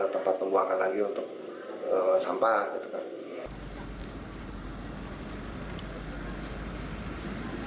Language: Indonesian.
tempat pembuangan lagi untuk sampah gitu kan